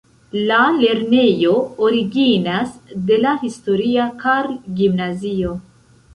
La lernejo originas de la historia Karl-gimnazio.